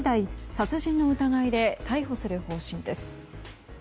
殺人の疑いで逮捕する方針です。